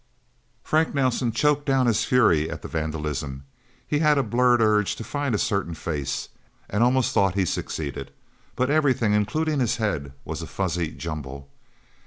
Frank Nelsen choked down his fury at the vandalism. He had a blurred urge to find a certain face, and almost thought he succeeded. But everything, including his head, was a fuzzy jumble.